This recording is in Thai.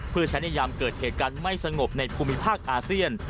เพื่อใช้ในยามเกิดเหตุการณ์ไม่สงบในภูมิภาคอาเซียน